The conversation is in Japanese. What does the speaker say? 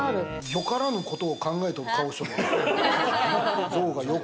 よからぬことを考えてる顔しとるな。